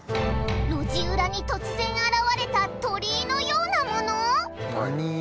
路地裏に突然現れた鳥居のようなもの